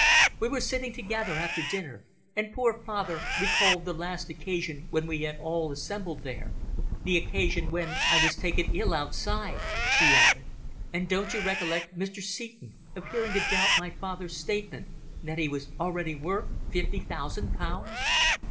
We were sitting together after dinner and poor father recalled the last occasion when we had all assembled there the occasion when I was taken ill outside," she added. "And don't you recollect Mr. Seton appearing to doubt my father's statement that he was already worth fifty thousand pounds."